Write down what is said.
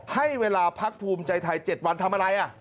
ให้เวลาพักภูมิใจไทย๗วันทำอะไร